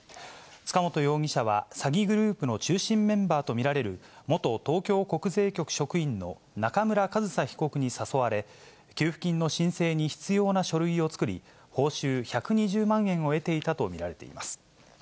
塚本容疑者は、詐欺グループの中心メンバーと見られる元東京国税局職員の中村上総被告に誘われ、給付金の申請に必要な書類を作り、報酬１２０万円を得ていたと見られています。